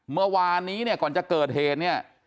เมื่อวานนี้เนี่ยก่อนจะเกิดเหตุเนี่ย